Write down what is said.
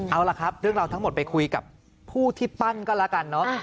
เอาล่ะครับเรื่องราวทั้งหมดไปคุยกับผู้ที่ปั้นก็แล้วกันเนอะ